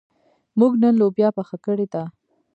موږ نن لوبیا پخه کړې ده.